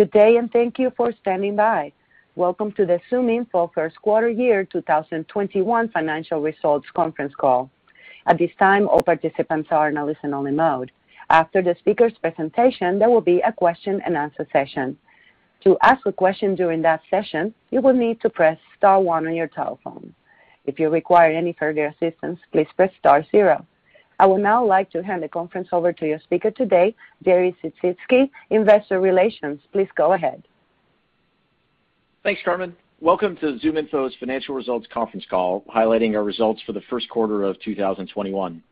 Good day, and thank you for standing by. Welcome to the ZoomInfo First Quarter Year 2021 Financial Results Conference Call. At this time, all participants are in listen only mode. After the speakers' presentation, there will be a question-and-answer session. To ask a question during that session, you will need to press star one on your telephone. If you require any further assistance, please press star zero. I would now like to hand the conference over to your speaker today, Jerry Sisitsky, Vice President of Investor Relations. Please go ahead. Thanks, Carmen. Welcome to ZoomInfo's Financial Results Conference call, highlighting our results for the first quarter of 2021.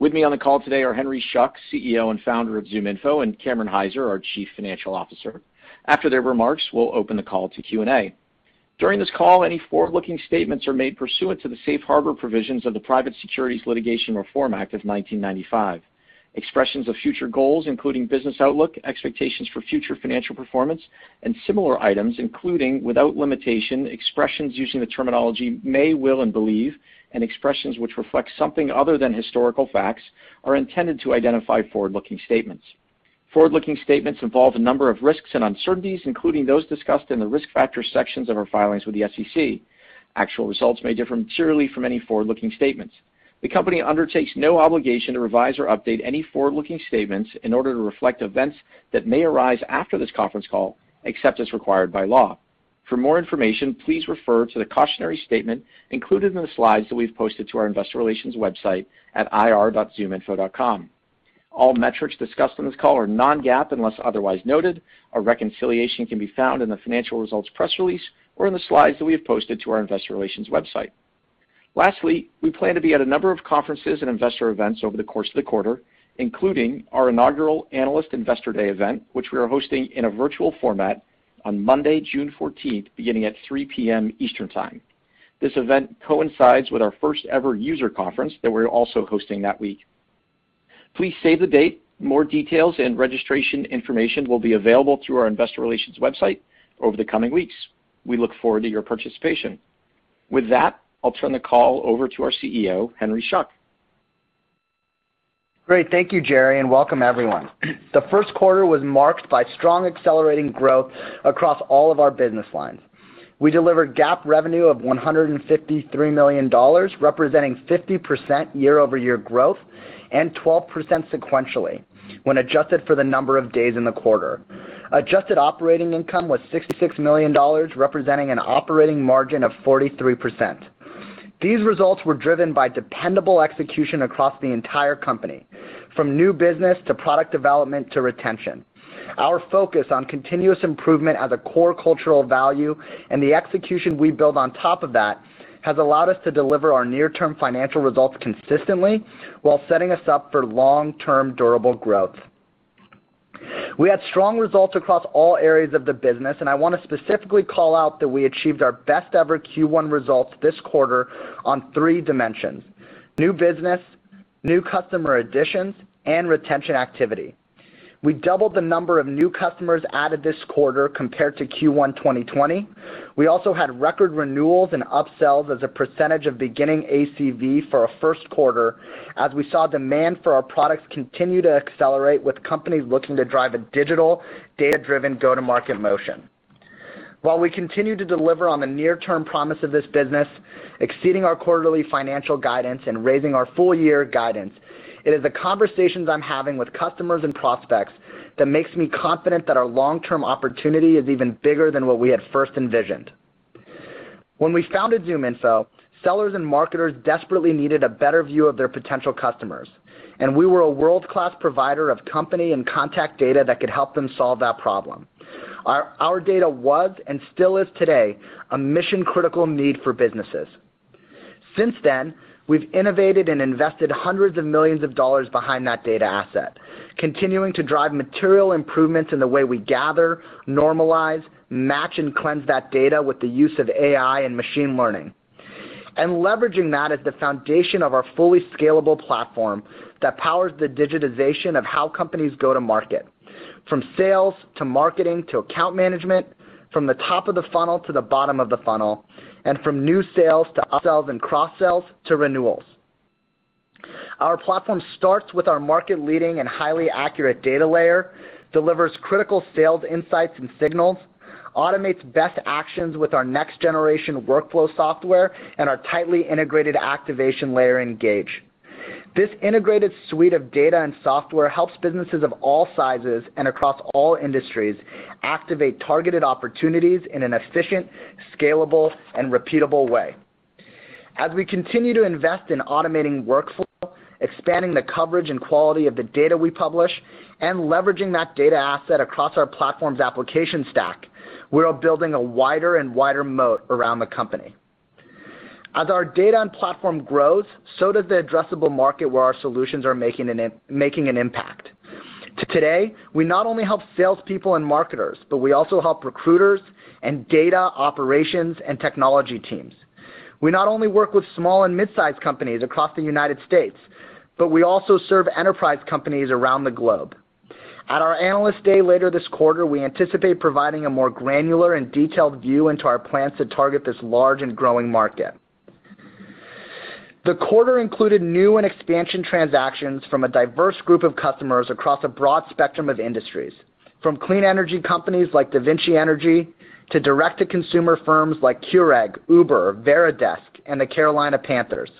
With me on the call today are Henry Schuck, CEO and Founder of ZoomInfo, and Cameron Hyzer, our Chief Financial Officer. After their remarks, we'll open the call to Q&A. During this call, any forward-looking statements are made pursuant to the safe harbor provisions of the Private Securities Litigation Reform Act of 1995. Expressions of future goals, including business outlook, expectations for future financial performance, and similar items, including, without limitation, expressions using the terminology may, will, and believe, and expressions which reflect something other than historical facts, are intended to identify forward-looking statements. Forward-looking statements involve a number of risks and uncertainties, including those discussed in the Risk Factor sections of our filings with the SEC. Actual results may differ materially from any forward-looking statements. The company undertakes no obligation to revise or update any forward-looking statements in order to reflect events that may arise after this conference call, except as required by law. For more information, please refer to the cautionary statement included in the slides that we've posted to our investor relations website at ir.zoominfo.com. All metrics discussed on this call are non-GAAP, unless otherwise noted. A reconciliation can be found in the financial results press release or in the slides that we have posted to our investor relations website. Lastly, we plan to be at a number of conferences and investor events over the course of the quarter, including our inaugural Analyst Investor Day event, which we are hosting in a virtual format on Monday, June 14th, beginning at 3:00 P.M. Eastern Time. This event coincides with our first ever user conference that we're also hosting that week. Please save the date. More details and registration information will be available through our investor relations website over the coming weeks. We look forward to your participation. With that, I'll turn the call over to our CEO, Henry Schuck. Great. Thank you, Jerry, and welcome everyone. The first quarter was marked by strong accelerating growth across all of our business lines. We delivered GAAP revenue of $153 million, representing 50% year-over-year growth and 12% sequentially, when adjusted for the number of days in the quarter. Adjusted operating income was $66 million, representing an operating margin of 43%. These results were driven by dependable execution across the entire company, from new business to product development to retention. Our focus on continuous improvement as a core cultural value and the execution we build on top of that, has allowed us to deliver our near-term financial results consistently while setting us up for long-term durable growth. We had strong results across all areas of the business, and I want to specifically call out that we achieved our best ever Q1 results this quarter on three dimensions: new business, new customer additions, and retention activity. We doubled the number of new customers added this quarter compared to Q1 2020. We also had record renewals and up-sells as a percentage of beginning ACV for a first quarter as we saw demand for our products continue to accelerate with companies looking to drive a digital, data-driven go-to-market motion. While we continue to deliver on the near-term promise of this business, exceeding our quarterly financial guidance and raising our full year guidance, it is the conversations I'm having with customers and prospects that makes me confident that our long-term opportunity is even bigger than what we had first envisioned. When we founded ZoomInfo, sellers and marketers desperately needed a better view of their potential customers, and we were a world-class provider of company and contact data that could help them solve that problem. Our data was, and still is today, a mission-critical need for businesses. Since then, we've innovated and invested hundreds of millions of dollars behind that data asset, continuing to drive material improvements in the way we gather, normalize, match, and cleanse that data with the use of AI and machine learning. Leveraging that as the foundation of our fully scalable platform that powers the digitization of how companies go to market, from sales, to marketing, to account management, from the top of the funnel to the bottom of the funnel, and from new sales to up-sells and cross-sells, to renewals. Our platform starts with our market leading and highly accurate data layer, delivers critical sales insights and signals, automates best actions with our next generation workflow software, and our tightly integrated activation layer Engage. This integrated suite of data and software helps businesses of all sizes and across all industries activate targeted opportunities in an efficient, scalable, and repeatable way. As we continue to invest in automating workflow, expanding the coverage and quality of the data we publish, and leveraging that data asset across our platform's application stack, we are building a wider and wider moat around the company. As our data and platform grows, so does the addressable market where our solutions are making an impact. To today, we not only help salespeople and marketers, but we also help recruiters and data operations and technology teams. We not only work with small and mid-size companies across the U.S., but we also serve enterprise companies around the globe. At our Analyst Day later this quarter, we anticipate providing a more granular and detailed view into our plans to target this large and growing market. The quarter included new and expansion transactions from a diverse group of customers across a broad spectrum of industries, from clean energy companies like DaVinci Energy, to direct-to-consumer firms like Keurig, Uber, Varidesk, and the Carolina Panthers.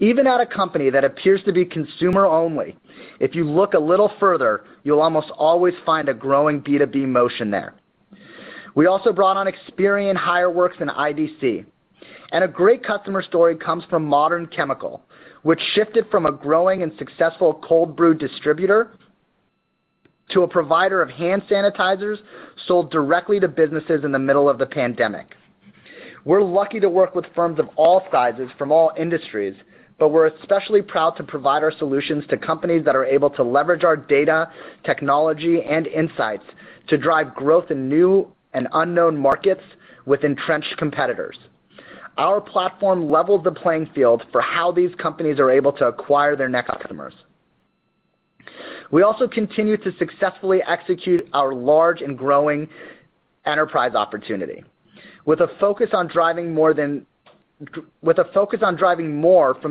Even at a company that appears to be consumer only, if you look a little further, you'll almost always find a growing B2B motion there. We also brought on Experian, HireWorks, and IDC. A great customer story comes from Modern Chemical, which shifted from a growing and successful cold brew distributor, to a provider of hand sanitizers sold directly to businesses in the middle of the pandemic. We're lucky to work with firms of all sizes from all industries, but we're especially proud to provide our solutions to companies that are able to leverage our data, technology, and insights to drive growth in new and unknown markets with entrenched competitors. Our platform levels the playing field for how these companies are able to acquire their net customers. We also continue to successfully execute our large and growing enterprise opportunity. With a focus on driving more from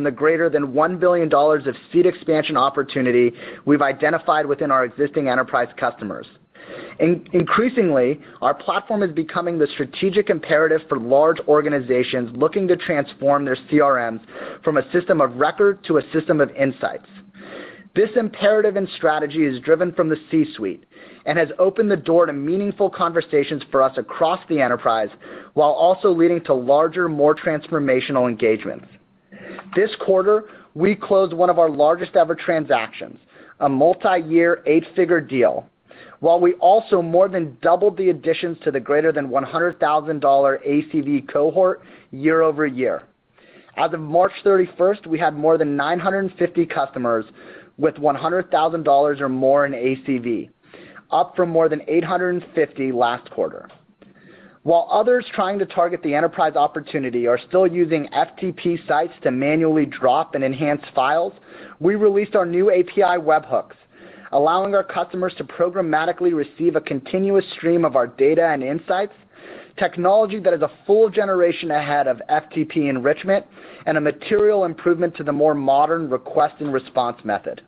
the greater than $1 billion of seat expansion opportunity we've identified within our existing enterprise customers. Increasingly, our platform is becoming the strategic imperative for large organizations looking to transform their CRMs from a system of record to a system of insights. This imperative and strategy is driven from the C-suite and has opened the door to meaningful conversations for us across the enterprise, while also leading to larger, more transformational engagements. This quarter, we closed one of our largest-ever transactions, a multi-year, eight-figure deal, while we also more than doubled the additions to the greater than $100,000 ACV cohort year-over-year. As of March 31st, we had more than 950 customers with $100,000 or more in ACV, up from more than 850 last quarter. While others trying to target the enterprise opportunity are still using FTP sites to manually drop and enhance files, we released our new API Webhooks, allowing our customers to programmatically receive a continuous stream of our data and insights, technology that is a full generation ahead of FTP enrichment and a material improvement to the more modern request and response method.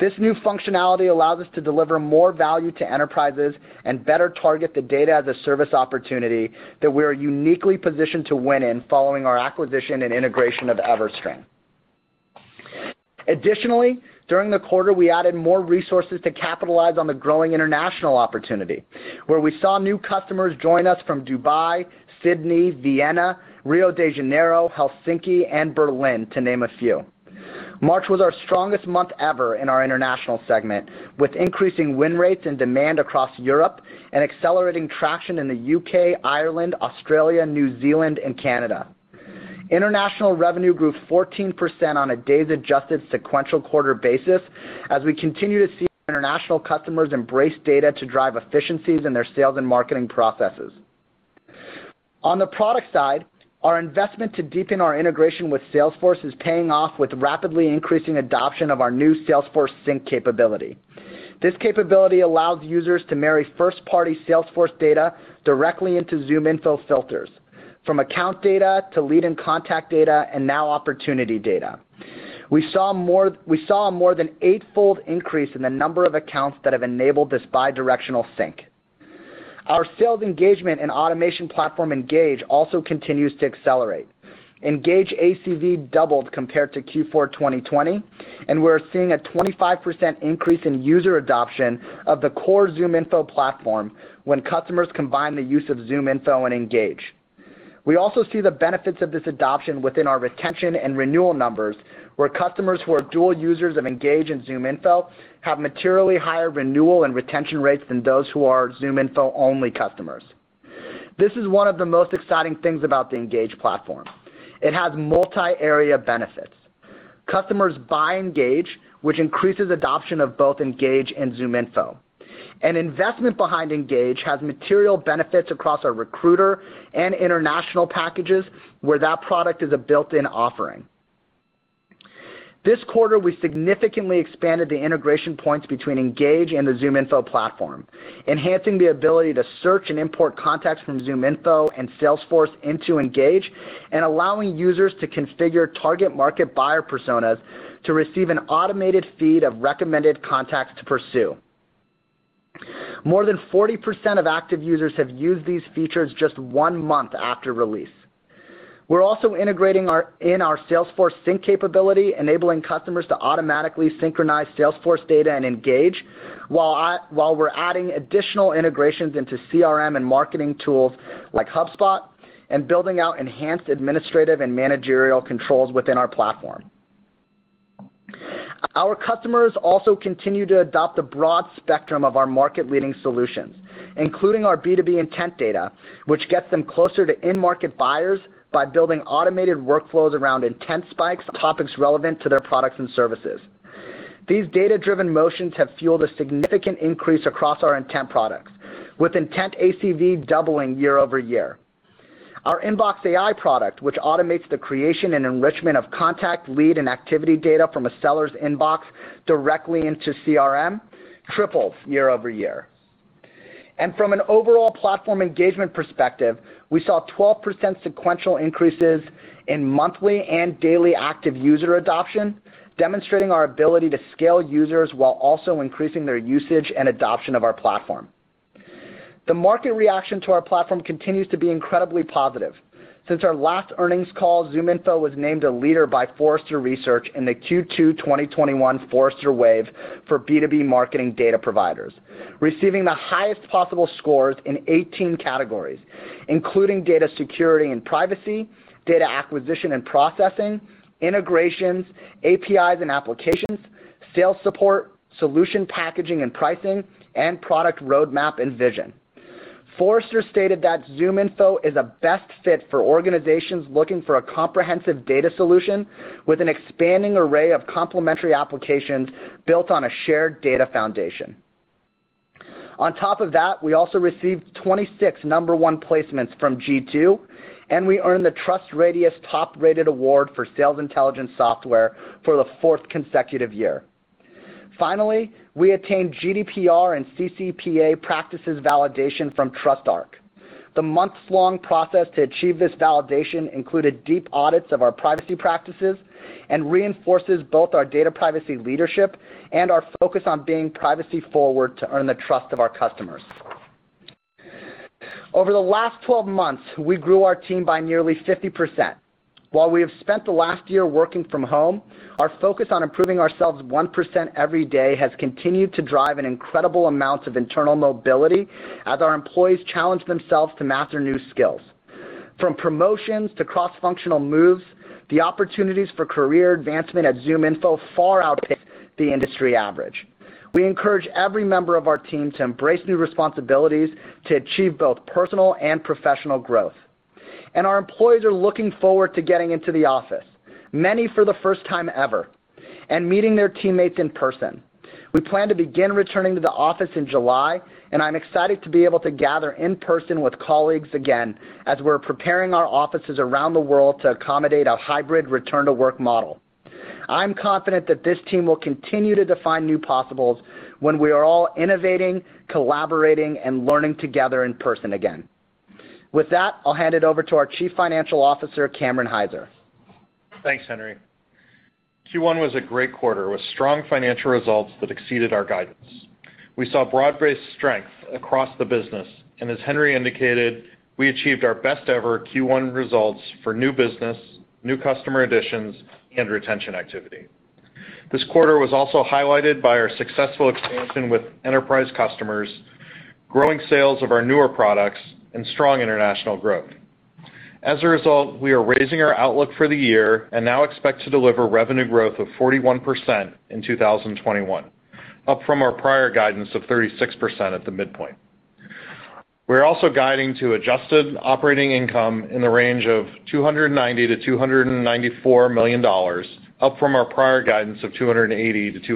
This new functionality allows us to deliver more value to enterprises and better target the data as a service opportunity that we're uniquely positioned to win in following our acquisition and integration of EverString. Additionally, during the quarter, we added more resources to capitalize on the growing international opportunity, where we saw new customers join us from Dubai, Sydney, Vienna, Rio de Janeiro, Helsinki, and Berlin, to name a few. March was our strongest month ever in our international segment, with increasing win rates and demand across Europe, and accelerating traction in the U.K., Ireland, Australia, New Zealand, and Canada. International revenue grew 14% on a days-adjusted sequential quarter basis, as we continue to see international customers embrace data to drive efficiencies in their sales and marketing processes. On the product side, our investment to deepen our integration with Salesforce is paying off with rapidly increasing adoption of our new Salesforce Sync capability. This capability allows users to marry first-party Salesforce data directly into ZoomInfo filters, from account data to lead and contact data, and now opportunity data. We saw a more than eightfold increase in the number of accounts that have enabled this bi-directional sync. Our sales engagement and automation platform, Engage, also continues to accelerate. Engage ACV doubled compared to Q4 2020. We're seeing a 25% increase in user adoption of the core ZoomInfo platform when customers combine the use of ZoomInfo and Engage. We also see the benefits of this adoption within our retention and renewal numbers, where customers who are dual users of Engage and ZoomInfo have materially higher renewal and retention rates than those who are ZoomInfo-only customers. This is one of the most exciting things about the Engage platform. It has multi-area benefits. Customers buy Engage, which increases adoption of both Engage and ZoomInfo. An investment behind Engage has material benefits across our Recruiter and international packages, where that product is a built-in offering. This quarter, we significantly expanded the integration points between Engage and the ZoomInfo platform, enhancing the ability to search and import contacts from ZoomInfo and Salesforce into Engage, and allowing users to configure target market buyer personas to receive an automated feed of recommended contacts to pursue. More than 40% of active users have used these features just one month after release. We're also integrating in our Salesforce sync capability, enabling customers to automatically synchronize Salesforce data in Engage, while we're adding additional integrations into CRM and marketing tools like HubSpot, and building out enhanced administrative and managerial controls within our platform. Our customers also continue to adopt a broad spectrum of our market-leading solutions, including our B2B intent data, which gets them closer to in-market buyers by building automated workflows around intent spikes on topics relevant to their products and services. These data-driven motions have fueled a significant increase across our intent products, with intent ACV doubling year-over-year. Our InboxAI product, which automates the creation and enrichment of contact, lead, and activity data from a seller's inbox directly into CRM, tripled year-over-year. From an overall platform engagement perspective, we saw 12% sequential increases in monthly and daily active user adoption, demonstrating our ability to scale users while also increasing their usage and adoption of our platform. The market reaction to our platform continues to be incredibly positive. Since our last earnings call, ZoomInfo was named a leader by Forrester Research in the Q1 2021 Forrester Wave for B2B marketing data providers, receiving the highest possible scores in 18 categories, including data security and privacy, data acquisition and processing, integrations, APIs and applications, sales support, solution packaging and pricing, and product roadmap and vision. Forrester stated that ZoomInfo is a best fit for organizations looking for a comprehensive data solution with an expanding array of complementary applications built on a shared data foundation. On top of that, we also received 26 number one placements from G2, and we earned the TrustRadius Top Rated Award for Sales Intelligence Software for the fourth consecutive year. Finally, we attained GDPR and CCPA practices validation from TrustArc. The months-long process to achieve this validation included deep audits of our privacy practices and reinforces both our data privacy leadership and our focus on being privacy-forward to earn the trust of our customers. Over the last 12 months, we grew our team by nearly 50%. While we have spent the last year working from home, our focus on improving ourselves 1% every day has continued to drive an incredible amount of internal mobility as our employees challenge themselves to master new skills. From promotions to cross-functional moves, the opportunities for career advancement at ZoomInfo far outpace the industry average. We encourage every member of our team to embrace new responsibilities to achieve both personal and professional growth. Our employees are looking forward to getting into the office, many for the first time ever, and meeting their teammates in person. We plan to begin returning to the office in July, and I'm excited to be able to gather in person with colleagues again as we're preparing our offices around the world to accommodate a hybrid return-to-work model. I'm confident that this team will continue to define new possibles when we are all innovating, collaborating, and learning together in person again. With that, I'll hand it over to our Chief Financial Officer, Cameron Hyzer. Thanks, Henry. Q1 was a great quarter with strong financial results that exceeded our guidance. We saw broad-based strength across the business, and as Henry indicated, we achieved our best ever Q1 results for new business, new customer additions, and retention activity. This quarter was also highlighted by our successful expansion with enterprise customers, growing sales of our newer products, and strong international growth. As a result, we are raising our outlook for the year and now expect to deliver revenue growth of 41% in 2021, up from our prior guidance of 36% at the midpoint. We're also guiding to adjusted operating income in the range of $290 million-$294 million, up from our prior guidance of $280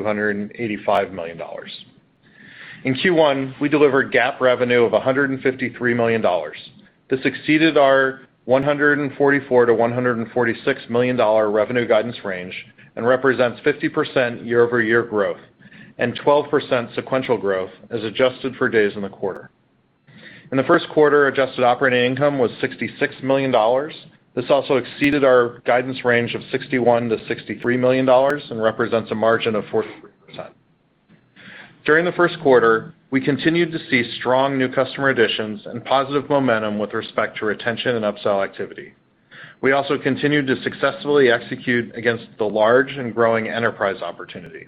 million-$285 million. In Q1, we delivered GAAP revenue of $153 million. This exceeded our $144 million-$146 million revenue guidance range and represents 50% year-over-year growth and 12% sequential growth as adjusted for days in the quarter. In the first quarter, adjusted operating income was $66 million. This also exceeded our guidance range of $61 million-$63 million and represents a margin of 43%. During the first quarter, we continued to see strong new customer additions and positive momentum with respect to retention and upsell activity. We also continued to successfully execute against the large and growing enterprise opportunity.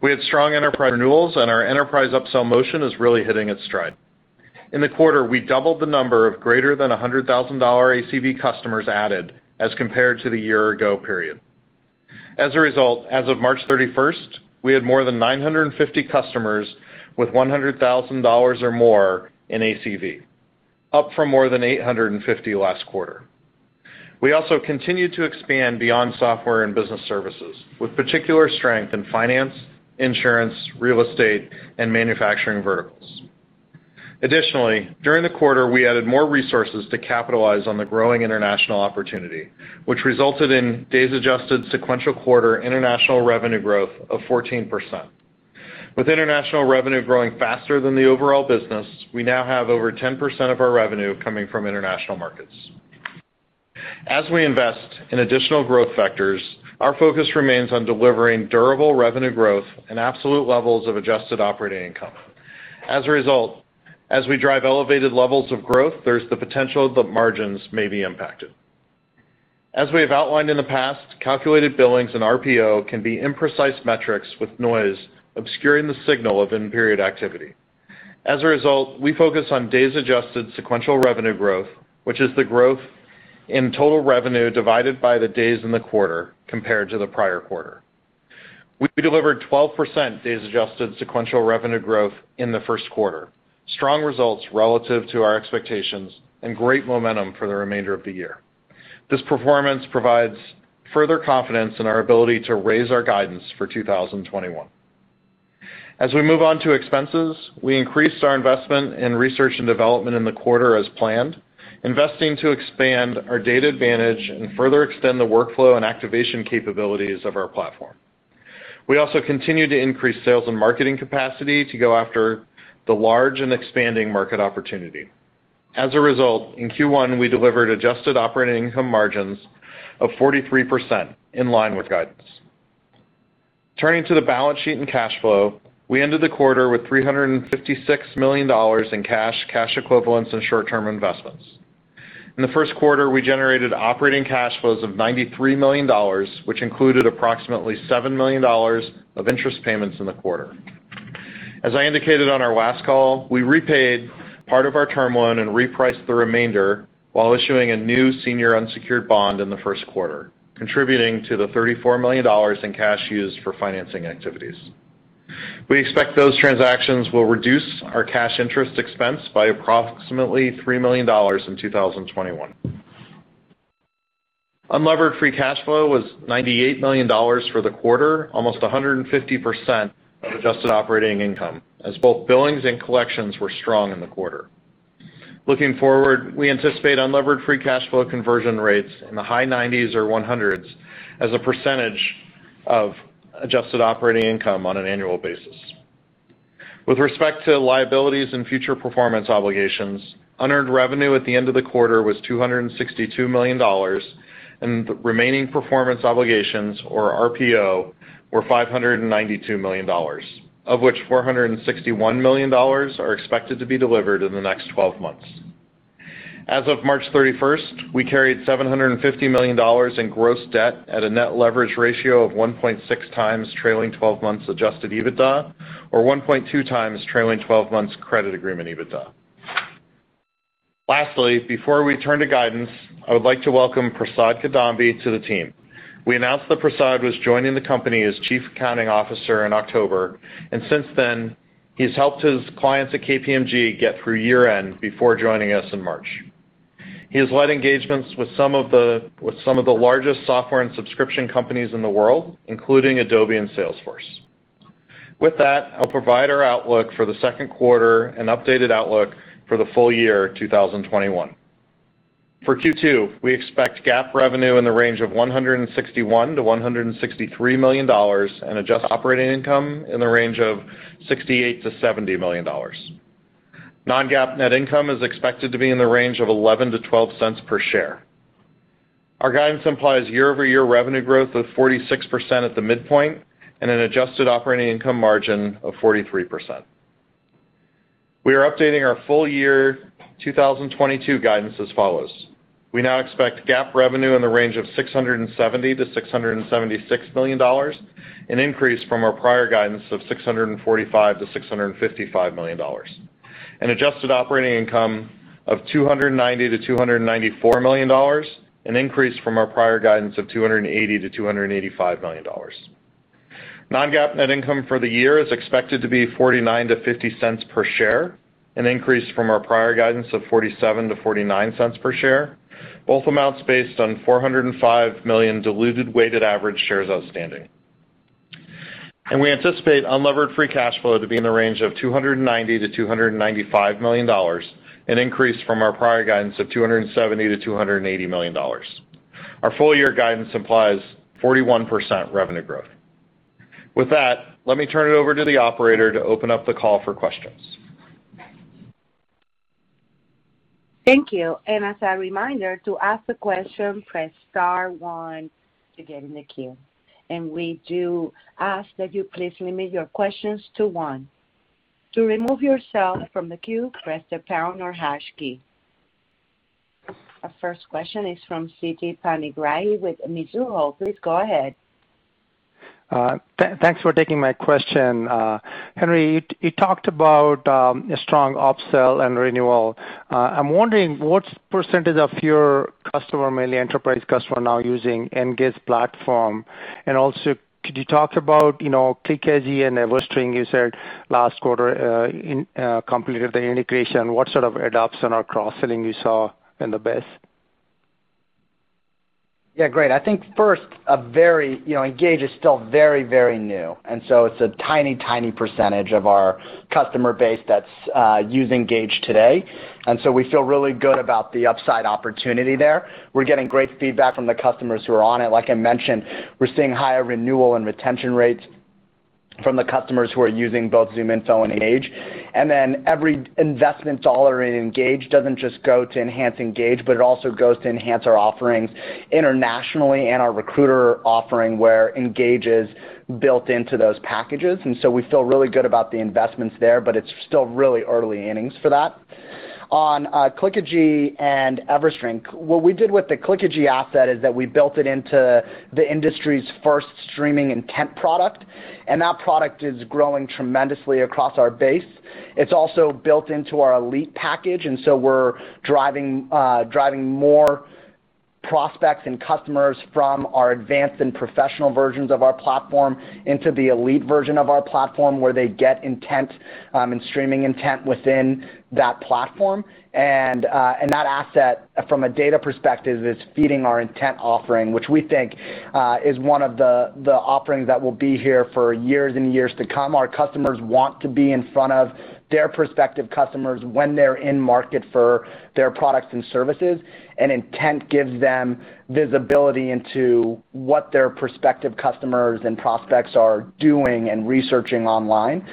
We had strong enterprise renewals, and our enterprise upsell motion is really hitting its stride. In the quarter, we doubled the number of greater than $100,000 ACV customers added as compared to the year-ago period. As a result, as of March 31st, we had more than 950 customers with $100,000 or more in ACV, up from more than 850 last quarter. We also continued to expand beyond software and business services, with particular strength in finance, insurance, real estate, and manufacturing verticals. Additionally, during the quarter, we added more resources to capitalize on the growing international opportunity, which resulted in days-adjusted sequential quarter international revenue growth of 14%. With international revenue growing faster than the overall business, we now have over 10% of our revenue coming from international markets. As we invest in additional growth vectors, our focus remains on delivering durable revenue growth and absolute levels of adjusted operating income. As a result, as we drive elevated levels of growth, there's the potential that margins may be impacted. As we have outlined in the past, calculated billings and RPO can be imprecise metrics with noise obscuring the signal of in-period activity. As a result, we focus on days-adjusted sequential revenue growth, which is the growth in total revenue divided by the days in the quarter compared to the prior quarter. We delivered 12% days-adjusted sequential revenue growth in the first quarter, strong results relative to our expectations, and great momentum for the remainder of the year. This performance provides further confidence in our ability to raise our guidance for 2021. As we move on to expenses, we increased our investment in research and development in the quarter as planned, investing to expand our data advantage and further extend the workflow and activation capabilities of our platform. We also continue to increase sales and marketing capacity to go after the large and expanding market opportunity. As a result, in Q1, we delivered adjusted operating income margins of 43%, in line with guidance. Turning to the balance sheet and cash flow, we ended the quarter with $356 million in cash equivalents, and short-term investments. In the first quarter, we generated operating cash flows of $93 million, which included approximately $7 million of interest payments in the quarter. As I indicated on our last call, we repaid part of our term loan and repriced the remainder while issuing a new senior unsecured bond in the first quarter, contributing to the $34 million in cash used for financing activities. We expect those transactions will reduce our cash interest expense by approximately $3 million in 2021. Unlevered free cash flow was $98 million for the quarter, almost 150% of adjusted operating income, as both billings and collections were strong in the quarter. Looking forward, we anticipate unlevered free cash flow conversion rates in the high 90s or 100s as a percentage of adjusted operating income on an annual basis. With respect to liabilities and future performance obligations, unearned revenue at the end of the quarter was $262 million, and the remaining performance obligations, or RPO, were $592 million, of which $461 million are expected to be delivered in the next 12 months. As of March 31st, we carried $750 million in gross debt at a net leverage ratio of 1.6x trailing 12 months adjusted EBITDA, or 1.2x trailing 12 months credit agreement EBITDA. Lastly, before we turn to guidance, I would like to welcome Prasad Kadambi to the team. We announced that Prasad was joining the company as Chief Accounting Officer in October, and since then, he's helped his clients at KPMG get through year-end before joining us in March. He has led engagements with some of the largest software and subscription companies in the world, including Adobe and Salesforce. I'll provide our outlook for the second quarter and updated outlook for the full year 2021. For Q2, we expect GAAP revenue in the range of $161 million-$163 million and adjusted operating income in the range of $68 million-$70 million. Non-GAAP net income is expected to be in the range of $0.11-$0.12 per share. Our guidance implies year-over-year revenue growth of 46% at the midpoint and an adjusted operating income margin of 43%. We are updating our full year 2021 guidance as follows. We now expect GAAP revenue in the range of $670 million-$676 million, an increase from our prior guidance of $645 million-$655 million, an adjusted operating income of $290 million-$294 million, an increase from our prior guidance of $280 million-$285 million. Non-GAAP net income for the year is expected to be $0.49-$0.50 per share, an increase from our prior guidance of $0.47-$0.49 per share, both amounts based on 405 million diluted weighted average shares outstanding. We anticipate unlevered free cash flow to be in the range of $290 million-$295 million, an increase from our prior guidance of $270 million-$280 million. Our full year guidance implies 41% revenue growth. With that, let me turn it over to the operator to open up the call for questions. Thank you. As a reminder, to ask a question, press star one to get in the queue. We do ask that you please limit your questions to one. To remove yourself from the queue, press the pound or hash key. Our first question is from Siti Panigrahi with Mizuho. Please go ahead. Thanks for taking my question. Henry, you talked about a strong upsell and renewal. I'm wondering what percentage of your customer, mainly enterprise customer, now using Engage platform. Also, could you talk about Clickagy and EverString, you said last quarter completed the integration. What sort of adoption or cross-selling you saw in the base? Yeah. Great. I think first, Engage is still very, very new. It's a tiny percentage of our customer base that's using Engage today. We feel really good about the upside opportunity there. We're getting great feedback from the customers who are on it. Like I mentioned, we're seeing higher renewal and retention rates from the customers who are using both ZoomInfo and Engage. Every investment dollar in Engage doesn't just go to enhance Engage, but it also goes to enhance our offerings internationally and our Recruiter offering, where Engage is built into those packages. We feel really good about the investments there, but it's still really early innings for that. On Clickagy and EverString, what we did with the Clickagy asset is that we built it into the industry's first streaming intent product. That product is growing tremendously across our base. It's also built into our Elite package. So we're driving more prospects and customers from our advanced and professional versions of our platform into the Elite version of our platform, where they get intent and streaming intent within that platform. That asset, from a data perspective, is feeding our intent offering, which we think is one of the offerings that will be here for years and years to come. Our customers want to be in front of their prospective customers when they're in market for their products and services. Intent gives them visibility into what their prospective customers and prospects are doing and researching online.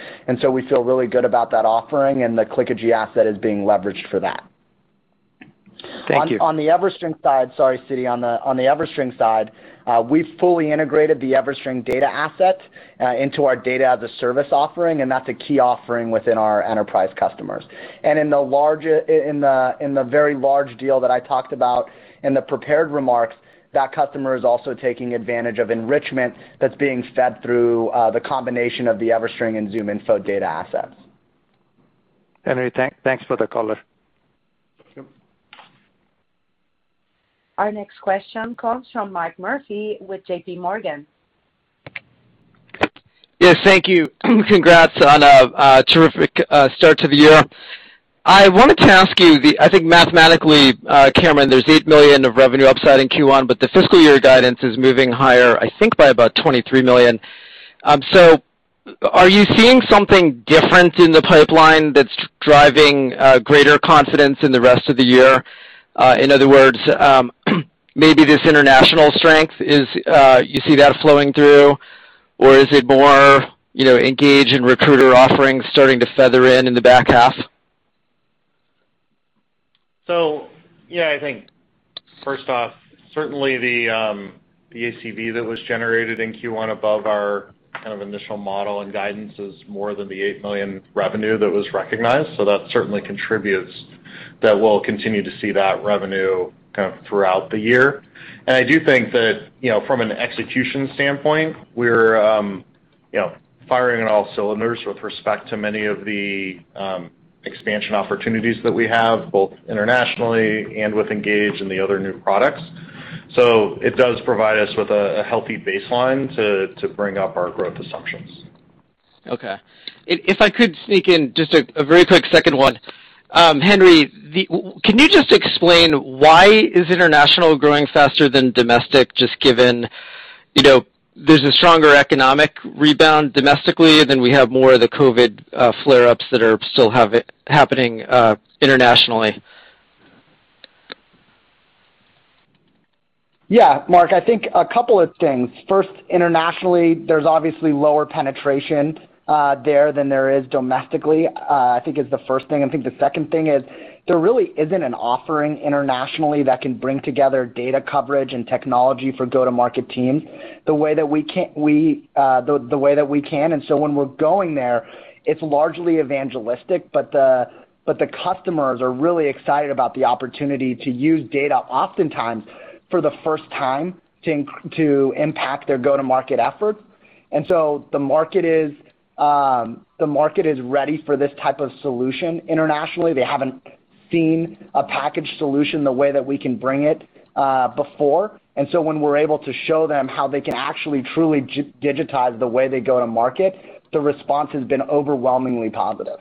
We feel really good about that offering, and the Clickagy asset is being leveraged for that. Thank you. Sorry, Siti, on the EverString side, we've fully integrated the EverString data asset into our data as a service offering, and that's a key offering within our enterprise customers. In the very large deal that I talked about in the prepared remarks, that customer is also taking advantage of enrichment that's being fed through the combination of the EverString and ZoomInfo data assets. Henry, thanks for the color. Sure. Our next question comes from Mark Murphy with JPMorgan. Yes, thank you. Congrats on a terrific start to the year. I wanted to ask you, I think mathematically, Cameron, there's $8 million of revenue upside in Q1, but the fiscal year guidance is moving higher, I think, by about $23 million. Are you seeing something different in the pipeline that's driving greater confidence in the rest of the year? In other words, maybe this international strength, you see that flowing through, or is it more Engage and Recruiter offerings starting to feather in in the back half? Yeah, I think first off, certainly the ACV that was generated in Q1 above our initial model and guidance is more than the $8 million revenue that was recognized. That certainly contributes, that we'll continue to see that revenue kind of throughout the year. I do think that from an execution standpoint, we're firing on all cylinders with respect to many of the expansion opportunities that we have, both internationally and with Engage and the other new products. It does provide us with a healthy baseline to bring up our growth assumptions. Okay. If I could sneak in just a very quick second one. Henry, can you just explain why is international growing faster than domestic, just given there's a stronger economic rebound domestically than we have more of the COVID flare-ups that are still happening internationally? Yeah. Mark, I think a couple of things. First, internationally, there's obviously lower penetration there than there is domestically, I think is the first thing. I think the second thing is there really isn't an offering internationally that can bring together data coverage and technology for go-to-market teams the way that we can. When we're going there, it's largely evangelistic, but the customers are really excited about the opportunity to use data oftentimes for the first time to impact their go-to-market efforts. The market is ready for this type of solution internationally. They haven't seen a packaged solution the way that we can bring it before. When we're able to show them how they can actually truly digitize the way they go to market, the response has been overwhelmingly positive.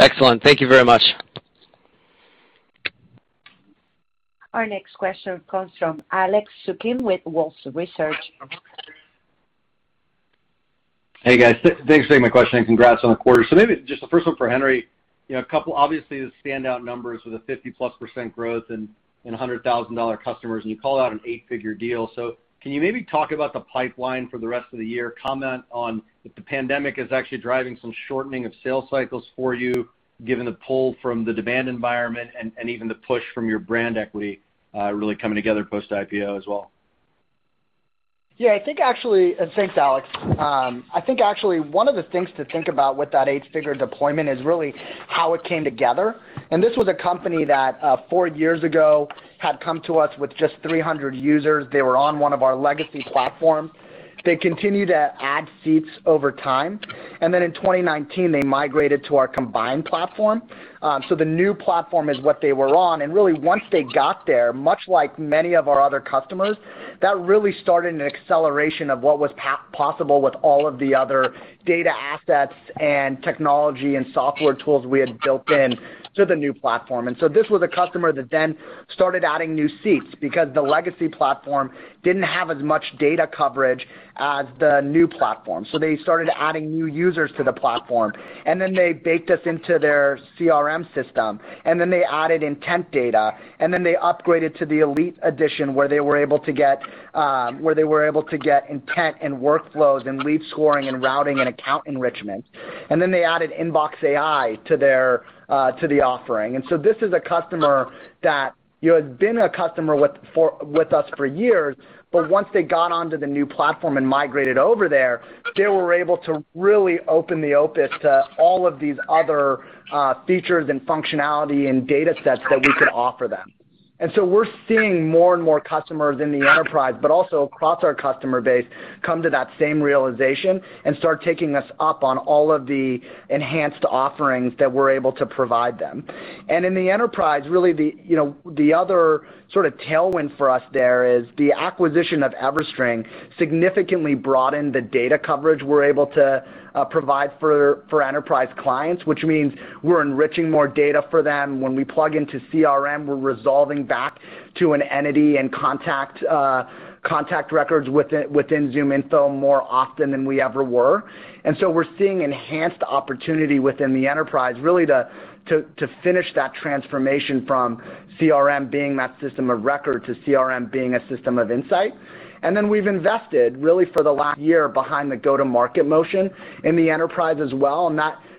Excellent. Thank you very much. Our next question comes from Alex Zukin with Wolfe Research. Hey, guys. Thanks for taking my question, and congrats on the quarter. Maybe just the first one for Henry, obviously the standout numbers with a 50%+ growth and $100,000 customers, and you called out an eight-figure deal. Can you maybe talk about the pipeline for the rest of the year? Comment on if the pandemic is actually driving some shortening of sales cycles for you, given the pull from the demand environment and even the push from your brand equity really coming together post-IPO as well? Thanks, Alex. I think actually one of the things to think about with that eight-figure deployment is really how it came together. This was a company that, four years ago, had come to us with just 300 users. They were on one of our legacy platform. They continued to add seats over time. Then in 2019, they migrated to our combined platform. The new platform is what they were on. Really once they got there, much like many of our other customers, that really started an acceleration of what was possible with all of the other data assets and technology and software tools we had built in to the new platform. This was a customer that then started adding new seats because the legacy platform didn't have as much data coverage as the new platform. They started adding new users to the platform, and then they baked us into their CRM system, and then they added intent data, and then they upgraded to the Elite Edition, where they were able to get intent and workflows and lead scoring and routing and account enrichment. They added ZoomInfo InboxAI to the offering. This is a customer that had been a customer with us for years, but once they got onto the new platform and migrated over there, they were able to really open the aperture to all of these other features and functionality and data sets that we could offer them. We're seeing more and more customers in the enterprise, but also across our customer base, come to that same realization and start taking us up on all of the enhanced offerings that we're able to provide them. In the enterprise, really the other sort of tailwind for us there is the acquisition of EverString significantly broadened the data coverage we're able to provide for enterprise clients, which means we're enriching more data for them. When we plug into CRM, we're resolving back to an entity and contact records within ZoomInfo more often than we ever were. We're seeing enhanced opportunity within the enterprise, really to finish that transformation from CRM being that system of record to CRM being a system of insight. Then we've invested, really for the last year, behind the go-to-market motion in the enterprise as well.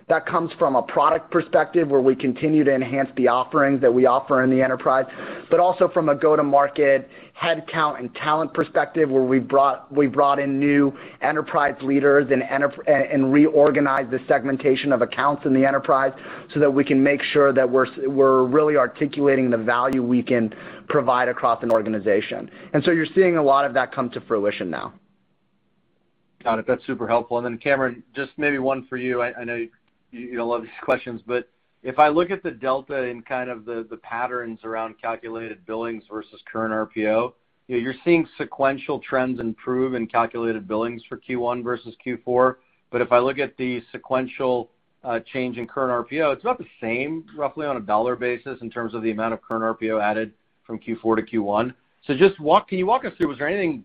That comes from a product perspective, where we continue to enhance the offerings that we offer in the enterprise, but also from a go-to-market headcount and talent perspective, where we've brought in new enterprise leaders and reorganized the segmentation of accounts in the enterprise so that we can make sure that we're really articulating the value we can provide across an organization. So you're seeing a lot of that come to fruition now. Got it. That's super helpful. Cameron, just maybe one for you. I know you don't love these questions, but if I look at the delta in kind of the patterns around calculated billings versus current RPO, you're seeing sequential trends improve in calculated billings for Q1 versus Q4. If I look at the sequential change in current RPO, it's about the same roughly on a dollar basis in terms of the amount of current RPO added from Q4 to Q1. Can you walk us through, was there anything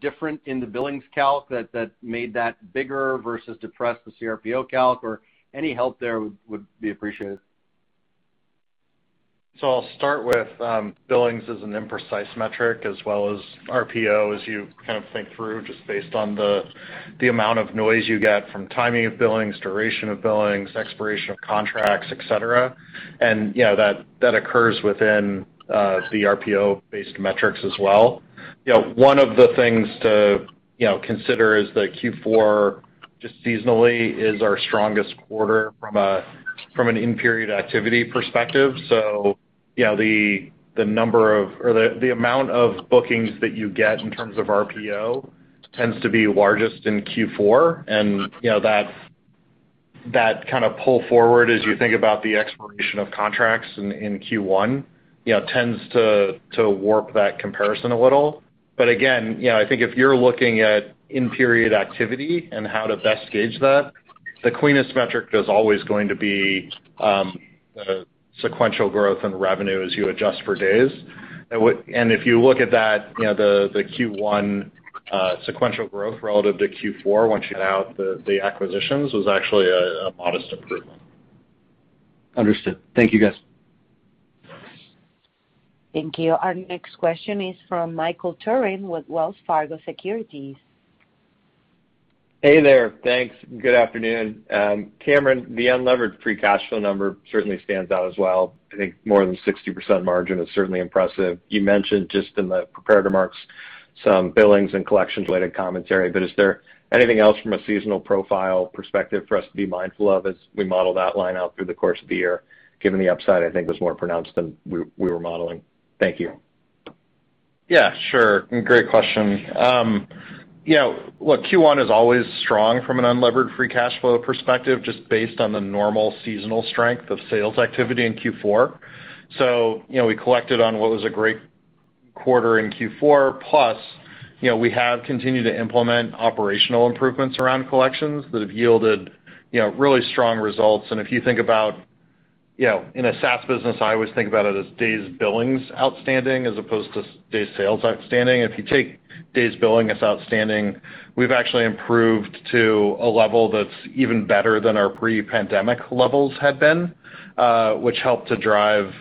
different in the billings calc that made that bigger versus depressed the CRPO calc, or any help there would be appreciated. I'll start with billings as an imprecise metric as well as RPO as you kind of think through, just based on the amount of noise you get from timing of billings, duration of billings, expiration of contracts, et cetera. That occurs within the RPO based metrics as well. One of the things to consider is that Q4, just seasonally, is our strongest quarter from an in-period activity perspective. The amount of bookings that you get in terms of RPO tends to be largest in Q4. That kind of pull forward as you think about the expiration of contracts in Q1 tends to warp that comparison a little. Again, I think if you're looking at in-period activity and how to best gauge that, the cleanest metric is always going to be the sequential growth in revenue as you adjust for days. If you look at that, the Q1 sequential growth relative to Q4, once you have the acquisitions, was actually a modest improvement. Understood. Thank you, guys. Thank you. Our next question is from Michael Turrin with Wells Fargo Securities. Hey there. Thanks. Good afternoon. Cameron, the unlevered free cash flow number certainly stands out as well. I think more than 60% margin is certainly impressive. You mentioned just in the prepared remarks some billings and collections related commentary. Is there anything else from a seasonal profile perspective for us to be mindful of as we model that line out through the course of the year, given the upside, I think was more pronounced than we were modeling? Thank you. Sure. Great question. Q1 is always strong from an unlevered free cash flow perspective, just based on the normal seasonal strength of sales activity in Q4. We collected on what was a great quarter in Q4. We have continued to implement operational improvements around collections that have yielded really strong results. If you think about in a SaaS business, I always think about it as days billings outstanding as opposed to days sales outstanding. If you take days billings outstanding, we've actually improved to a level that's even better than our pre-pandemic levels had been, which helped to drive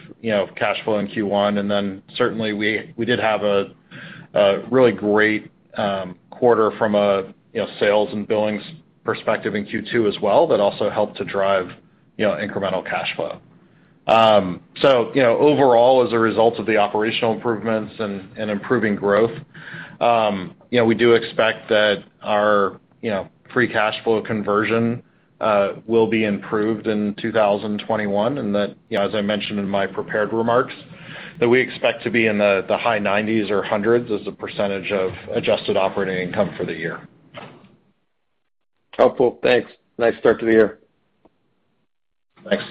cash flow in Q1. Certainly we did have a really great quarter from a sales and billings perspective in Q2 as well. That also helped to drive incremental cash flow. Overall, as a result of the operational improvements and improving growth, we do expect that our free cash flow conversion will be improved in 2021. That, as I mentioned in my prepared remarks, that we expect to be in the high 90s or 100s as a percentage of adjusted operating income for the year. Helpful. Thanks. Nice start to the year. Thanks.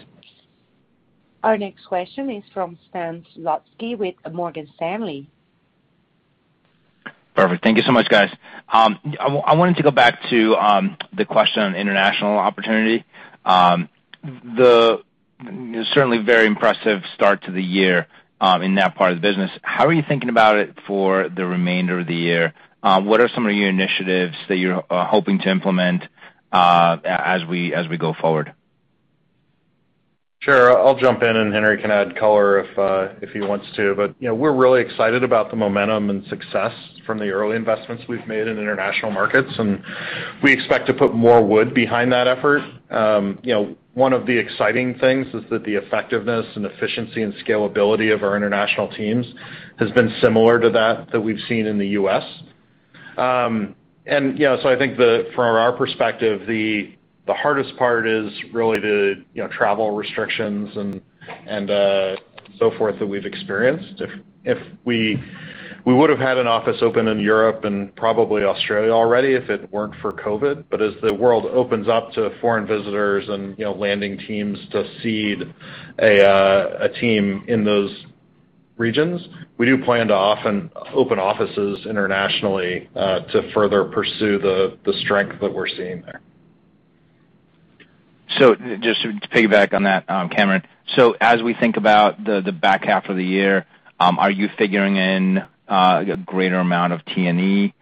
Our next question is from Stan Zlotsky with Morgan Stanley. Perfect. Thank you so much, guys. I wanted to go back to the question on international opportunity. Certainly very impressive start to the year in that part of the business. How are you thinking about it for the remainder of the year? What are some of your initiatives that you're hoping to implement as we go forward? Sure. I'll jump in. Henry can add color if he wants to. We're really excited about the momentum and success from the early investments we've made in international markets, and we expect to put more wood behind that effort. One of the exciting things is that the effectiveness and efficiency and scalability of our international teams has been similar to that that we've seen in the U.S. I think from our perspective, the hardest part is really the travel restrictions and so forth that we've experienced. We would have had an office open in Europe and probably Australia already if it weren't for COVID. As the world opens up to foreign visitors and landing teams to seed a team in those regions, we do plan to often open offices internationally to further pursue the strength that we're seeing there. Just to piggyback on that, Cameron, so as we think about the back half of the year, are you figuring in a greater amount of T&E,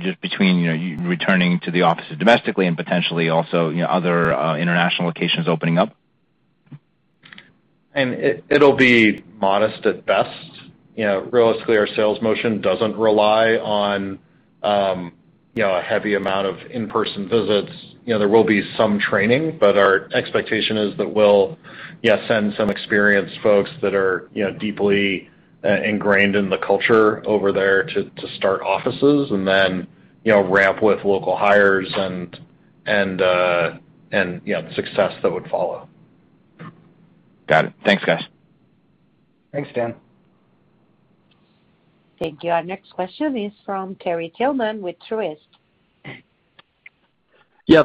just between returning to the offices domestically and potentially also other international locations opening up? It'll be modest at best. Realistically, our sales motion doesn't rely on a heavy amount of in-person visits. There will be some training, but our expectation is that we'll send some experienced folks that are deeply ingrained in the culture over there to start offices and then ramp with local hires and the success that would follow. Got it. Thanks, guys. Thanks, Stan. Thank you. Our next question is from Terry Tillman with Truist.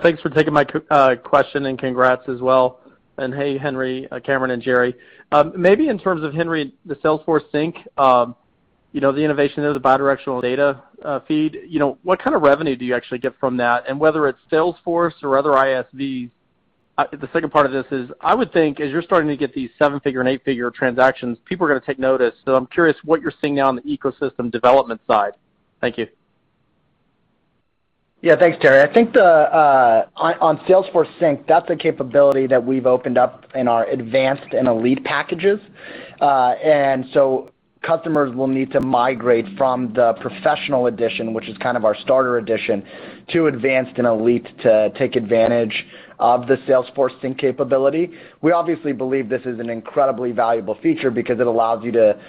Thanks for taking my question, and congrats as well. Hey, Henry, Cameron, and Jerry. Maybe in terms of, Henry, the Salesforce sync, the innovation there, the bidirectional data feed, what kind of revenue do you actually get from that? Whether it's Salesforce or other ISVs, the second part of this is, I would think as you're starting to get these seven-figure and eight-figure transactions, people are going to take notice. I'm curious what you're seeing now on the ecosystem development side. Thank you. Yeah, thanks, Terry. I think on Salesforce sync, that's a capability that we've opened up in our advanced and elite packages. Customers will need to migrate from the professional edition, which is kind of our starter edition, to advanced and elite to take advantage of the Salesforce sync capability. We obviously believe this is an incredibly valuable feature because it allows you to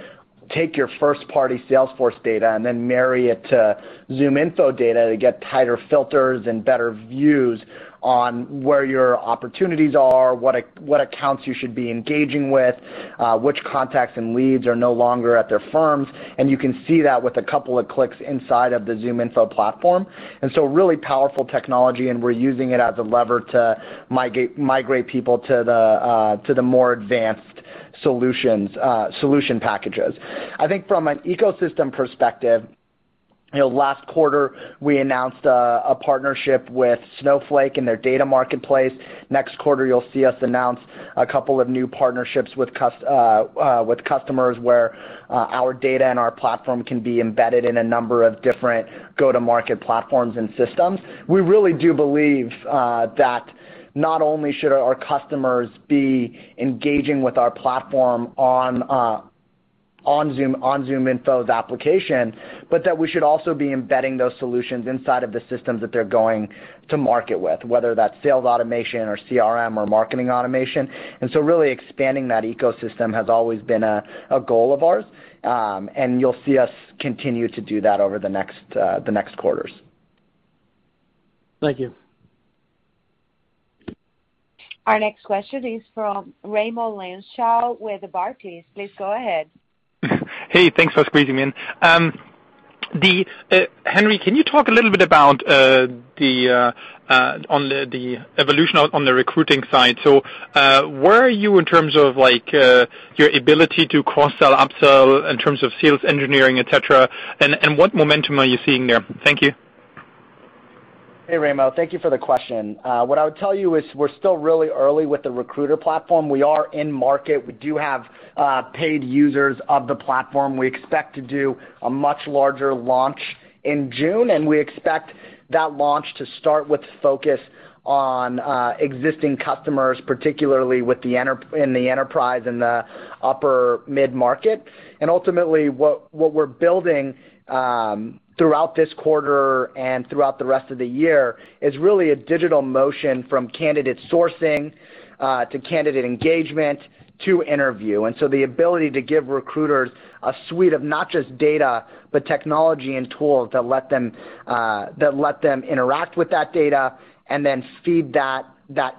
take your first-party Salesforce data and then marry it to ZoomInfo data to get tighter filters and better views on where your opportunities are, what accounts you should be engaging with, which contacts and leads are no longer at their firms, and you can see that with a couple of clicks inside of the ZoomInfo platform. Really powerful technology, and we're using it as a lever to migrate people to the more advanced solution packages. I think from an ecosystem perspective, last quarter, we announced a partnership with Snowflake and their data marketplace. Next quarter, you'll see us announce a couple of new partnerships with customers where our data and our platform can be embedded in a number of different go-to-market platforms and systems. We really do believe that not only should our customers be engaging with our platform on ZoomInfo's application, but that we should also be embedding those solutions inside of the systems that they're going to market with, whether that's sales automation or CRM or marketing automation. Really expanding that ecosystem has always been a goal of ours. You'll see us continue to do that over the next quarters. Thank you. Our next question is from Raimo Lenschow with Barclays. Please go ahead. Hey, thanks for squeezing me in. Henry, can you talk a little bit about the evolution on the recruiting side? Where are you in terms of your ability to cross-sell, up-sell in terms of sales, engineering, et cetera, and what momentum are you seeing there? Thank you. Hey, Raimo. Thank you for the question. What I would tell you is we're still really early with the Recruiter platform. We are in market. We do have paid users of the platform. We expect to do a much larger launch in June. We expect that launch to start with focus on existing customers, particularly in the enterprise and the upper mid-market. Ultimately, what we're building throughout this quarter and throughout the rest of the year is really a digital motion from candidate sourcing, to candidate engagement, to interview. The ability to give recruiters a suite of not just data, but technology and tools that let them interact with that data and then feed that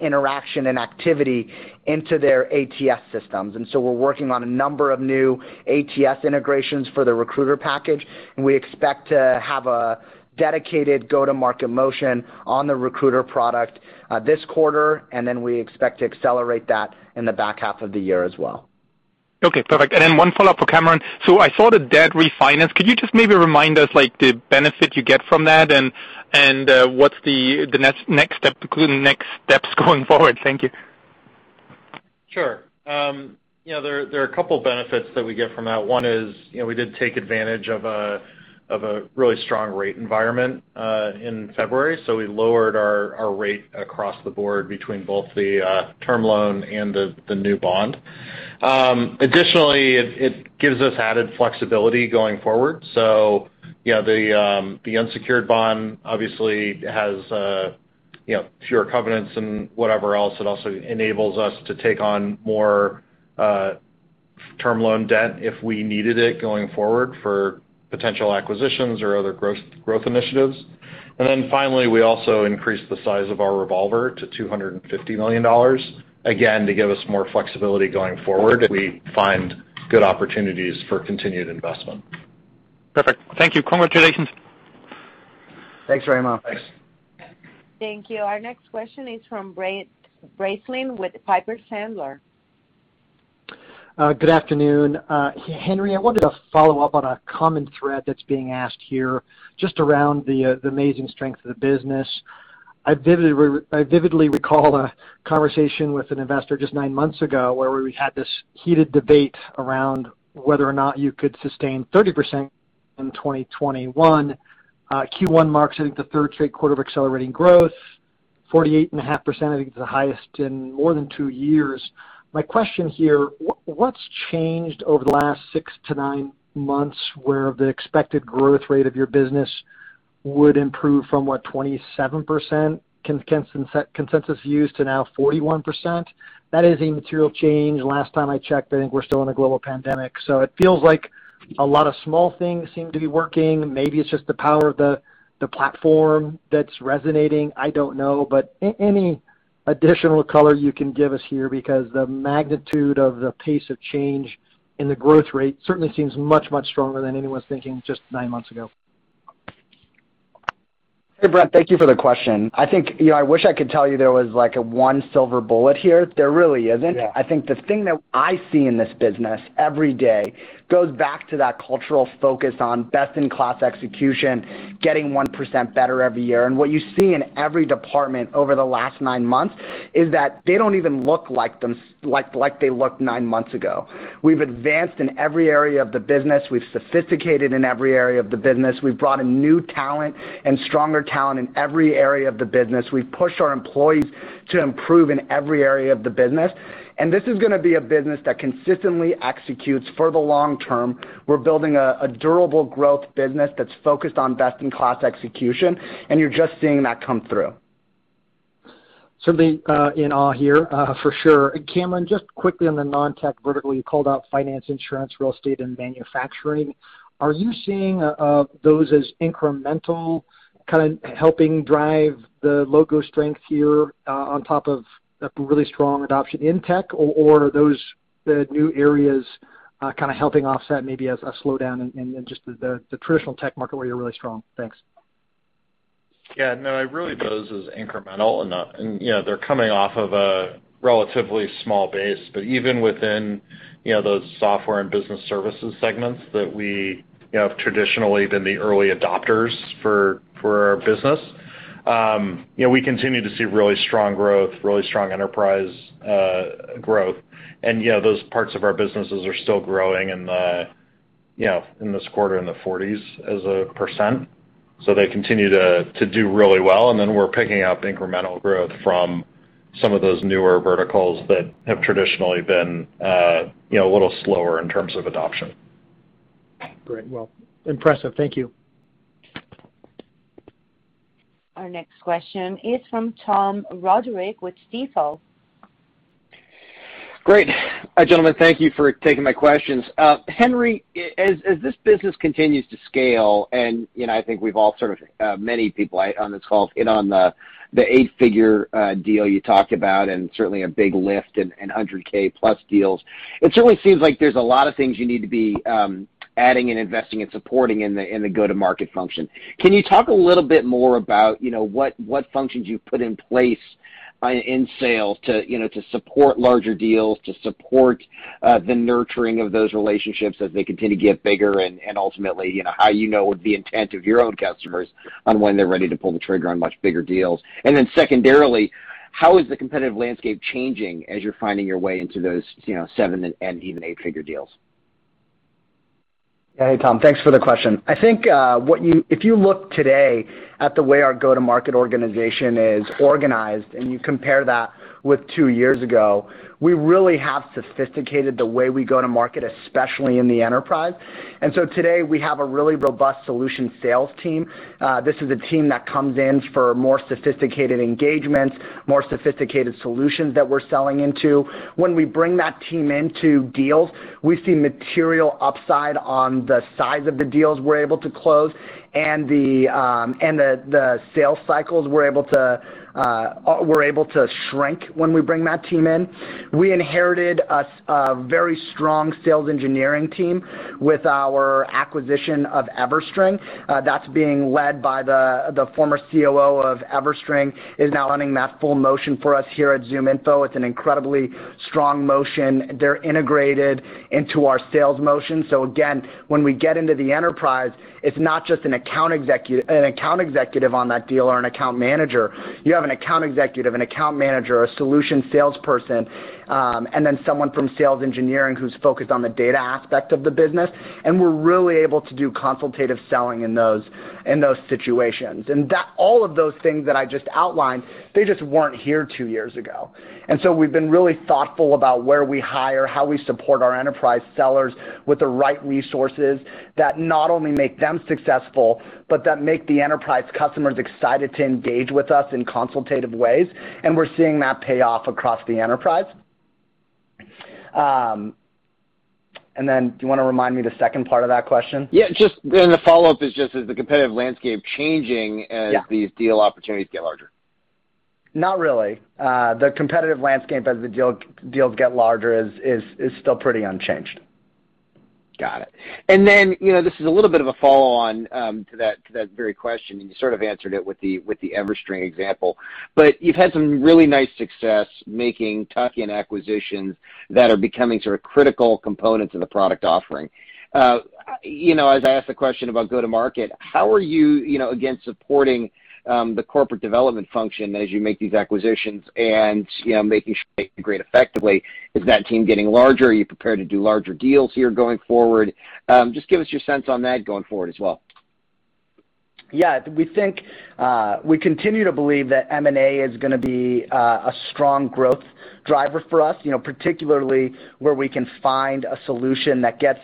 interaction and activity into their ATS systems. We're working on a number of new ATS integrations for the Recruiter package. We expect to have a dedicated go-to-market motion on the Recruiter product this quarter, and then we expect to accelerate that in the back half of the year as well. Okay, perfect. One follow-up for Cameron. I saw the debt refinance. Could you just maybe remind us, the benefit you get from that and what's the next steps going forward? Thank you. There are a couple of benefits that we get from that. One is, we did take advantage of a really strong rate environment, in February. We lowered our rate across the board between both the term loan and the new bond. Additionally, it gives us added flexibility going forward. The unsecured bond obviously has fewer covenants and whatever else. It also enables us to take on more term loan debt if we needed it going forward for potential acquisitions or other growth initiatives. Finally, we also increased the size of our revolver to $250 million, again, to give us more flexibility going forward if we find good opportunities for continued investment. Perfect. Thank you. Congratulations. Thanks, Raimo. Thanks. Thank you. Our next question is from Brent Bracelin with Piper Sandler. Good afternoon. Henry, I wanted to follow up on a common thread that's being asked here just around the amazing strength of the business. I vividly recall a conversation with an investor just nine months ago where we had this heated debate around whether or not you could sustain 30% in 2021. Q1 marks, I think, the third straight quarter of accelerating growth, 48.5% I think is the highest in more than two years. My question here, what's changed over the last six to nine months where the expected growth rate of your business would improve from what, 27% consensus views to now 41%? That is a material change. Last time I checked, I think we're still in a global pandemic. It feels like a lot of small things seem to be working. Maybe it's just the power of the platform that's resonating, I don't know. Any additional color you can give us here because the magnitude of the pace of change in the growth rate certainly seems much stronger than anyone was thinking just nine months ago. Hey Brent, thank you for the question. I wish I could tell you there was like a one silver bullet here. There really isn't. I think the thing that I see in this business every day goes back to that cultural focus on best-in-class execution, getting 1% better every year. What you see in every department over the last nine months is that they don't even look like they looked nine months ago. We've advanced in every area of the business. We've sophisticated in every area of the business. We've brought in new talent and stronger talent in every area of the business. We've pushed our employees to improve in every area of the business, and this is going to be a business that consistently executes for the long term. We're building a durable growth business that's focused on best-in-class execution, and you're just seeing that come through. Certainly, in awe here, for sure. Cameron, just quickly on the non-tech vertical, you called out finance, insurance, real estate, and manufacturing. Are you seeing those as incremental, kind of helping drive the logo strength here, on top of the really strong adoption in tech? Or are those the new areas, kind of helping offset maybe a slowdown in just the traditional tech market where you're really strong? Thanks. Yeah, no, really those as incremental and they're coming off of a relatively small base, but even within those software and business services segments that we have traditionally been the early adopters for our business. We continue to see really strong growth, really strong enterprise growth. Yeah, those parts of our businesses are still growing in this quarter in the 40s as a percent. They continue to do really well, and then we're picking up incremental growth from some of those newer verticals that have traditionally been a little slower in terms of adoption. Great. Well, impressive. Thank you. Our next question is from Tom Roderick with Stifel. Great. Gentlemen, thank you for taking my questions. Henry, as this business continues to scale, and I think we've all sort of, many people on this call, in on the eight-figure deal you talked about and certainly a big lift in 100,000+ deals. It certainly seems like there's a lot of things you need to be adding and investing and supporting in the go-to-market function. Can you talk a little bit more about what functions you've put in place in sales to support larger deals, to support the nurturing of those relationships as they continue to get bigger, and ultimately how you know the intent of your own customers on when they're ready to pull the trigger on much bigger deals? Secondarily, how is the competitive landscape changing as you're finding your way into those seven- and even eight-figure deals? Hey, Tom. Thanks for the question. I think, if you look today at the way our go-to-market organization is organized, and you compare that with two years ago, we really have sophisticated the way we go to market, especially in the enterprise. Today, we have a really robust solution sales team. This is a team that comes in for more sophisticated engagements, more sophisticated solutions that we're selling into. When we bring that team into deals, we see material upside on the size of the deals we're able to close and the sales cycles we're able to shrink when we bring that team in. We inherited a very strong sales engineering team with our acquisition of EverString. That's being led by the former COO of EverString, is now running that full motion for us here at ZoomInfo. It's an incredibly strong motion. They're integrated into our sales motion. Again, when we get into the enterprise, it's not just an account executive on that deal or an account manager. You have an account executive, an account manager, a solution salesperson, and then someone from sales engineering who's focused on the data aspect of the business. We're really able to do consultative selling in those situations. All of those things that I just outlined, they just weren't here two years ago. We've been really thoughtful about where we hire, how we support our enterprise sellers with the right resources that not only make them successful, but that make the enterprise customers excited to engage with us in consultative ways. We're seeing that pay off across the enterprise. Then do you want to remind me the second part of that question? Yeah, the follow-up is just, is the competitive landscape changing as these deal opportunities get larger? Not really. The competitive landscape as the deals get larger is still pretty unchanged. Got it. This is a little bit of a follow-on to that very question, and you sort of answered it with the EverString example. You've had some really nice success making tuck-in acquisitions that are becoming sort of critical components of the product offering. As I asked the question about go-to-market, how are you again supporting the corporate development function as you make these acquisitions and making sure they integrate effectively? Is that team getting larger? Are you prepared to do larger deals here going forward? Just give us your sense on that going forward as well. Yeah, we continue to believe that M&A is going to be a strong growth driver for us, particularly where we can find a solution that gets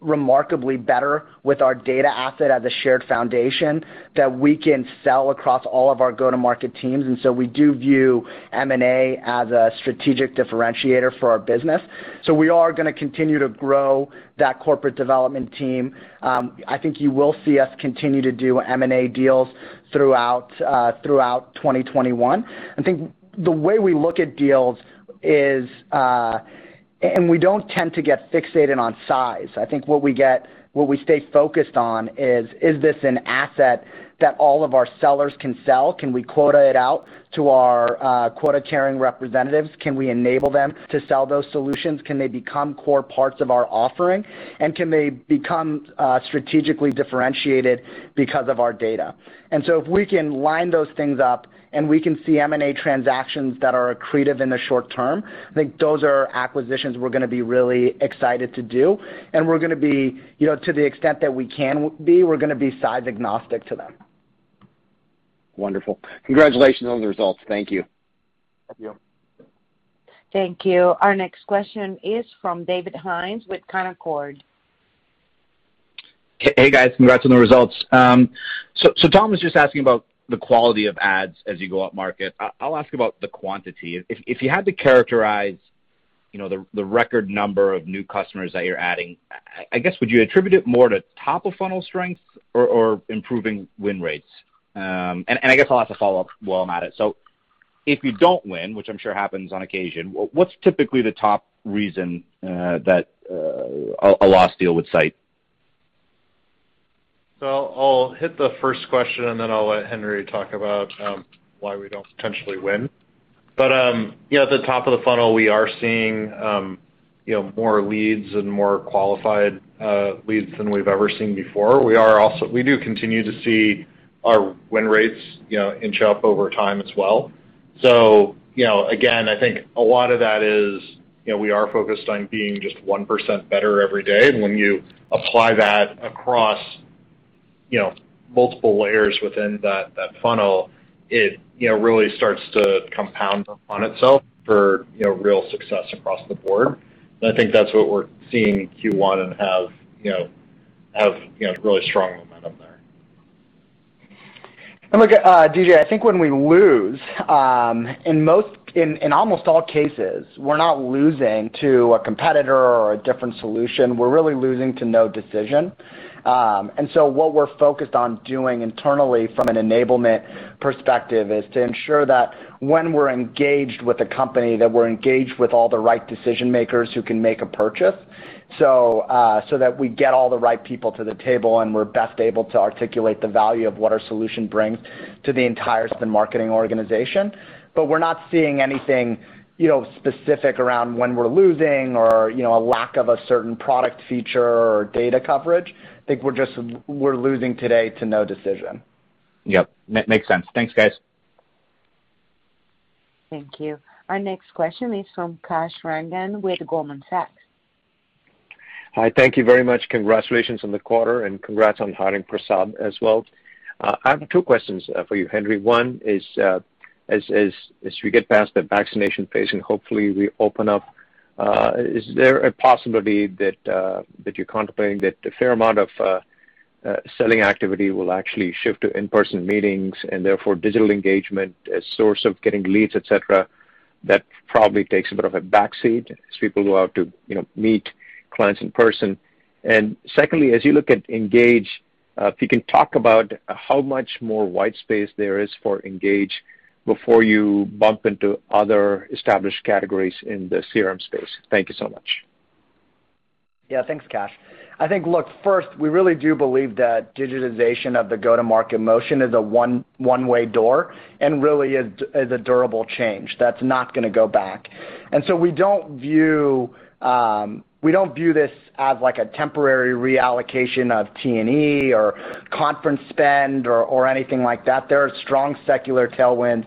remarkably better with our data asset as a shared foundation that we can sell across all of our go-to-market teams. We do view M&A as a strategic differentiator for our business. We are going to continue to grow that corporate development team. I think you will see us continue to do M&A deals throughout 2021. I think the way we look at deals is, we don't tend to get fixated on size. I think what we stay focused on is this an asset that all of our sellers can sell? Can we quota it out to our quota-carrying representatives? Can we enable them to sell those solutions? Can they become core parts of our offering? Can they become strategically differentiated because of our data? If we can line those things up and we can see M&A transactions that are accretive in the short term, I think those are acquisitions we're going to be really excited to do. We're going to be, to the extent that we can be, we're going to be size agnostic to them. Wonderful. Congratulations on the results. Thank you. Thank you. Thank you. Our next question is from David Hynes with Canaccord. Hey, guys. Congrats on the results. Tom was just asking about the quality of adds as you go up market. I'll ask about the quantity. If you had to characterize the record number of new customers that you're adding, would you attribute it more to top-of-funnel strength or improving win rates? I'll ask a follow-up while I'm at it. If you don't win, which I'm sure happens on occasion, what's typically the top reason that a lost deal would cite? I'll hit the first question, and then I'll let Henry talk about why we don't potentially win. At the top of the funnel, we are seeing more leads and more qualified leads than we've ever seen before. We do continue to see our win rates inch up over time as well. Again, I think a lot of that is, we are focused on being just 1% better every day. When you apply that across multiple layers within that funnel, it really starts to compound upon itself for real success across the board. I think that's what we're seeing in Q1 and have really strong momentum there. Look, DJ, I think when we lose, in almost all cases, we're not losing to a competitor or a different solution. We're really losing to no decision. What we're focused on doing internally from an enablement perspective is to ensure that when we're engaged with a company, that we're engaged with all the right decision-makers who can make a purchase, so that we get all the right people to the table, and we're best able to articulate the value of what our solution brings to the entire sales marketing organization. We're not seeing anything specific around when we're losing or a lack of a certain product feature or data coverage. I think we're losing today to no decision. Yep. Makes sense. Thanks, guys. Thank you. Our next question is from Kasthuri Rangan with Goldman Sachs. Hi. Thank you very much. Congratulations on the quarter, and congrats on hiring Prasad as well. I have two questions for you, Henry. One is, as we get past the vaccination phase, and hopefully we open up, is there a possibility that you're contemplating that a fair amount of selling activity will actually shift to in-person meetings and therefore digital engagement as source of getting leads, et cetera, that probably takes a bit of a back seat as people go out to meet clients in person? Secondly, as you look at Engage, if you can talk about how much more white space there is for Engage before you bump into other established categories in the CRM space? Thank you so much. Thanks, Kash. We really do believe that digitization of the go-to-market motion is a one-way door and really is a durable change. That's not going to go back. We don't view this as like a temporary reallocation of T&E or conference spend or anything like that. There are strong secular tailwinds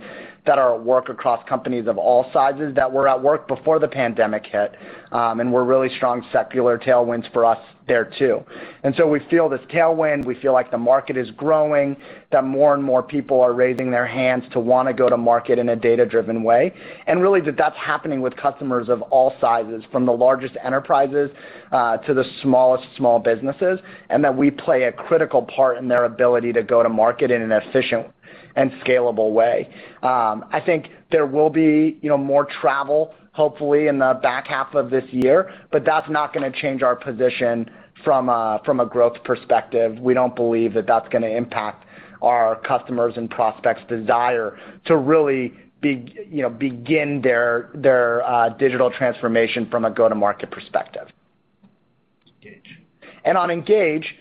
that are at work across companies of all sizes that were at work before the pandemic hit, and were really strong secular tailwinds for us there, too. We feel this tailwind, we feel like the market is growing, that more and more people are raising their hands to want to go to market in a data-driven way, and really that that's happening with customers of all sizes, from the largest enterprises to the smallest small businesses, and that we play a critical part in their ability to go to market in an efficient and scalable way. I think there will be more travel, hopefully, in the back half of this year, but that's not going to change our position from a growth perspective. We don't believe that that's going to impact our customers' and prospects' desire to really begin their digital transformation from a go-to-market perspective. Engage. On Engage,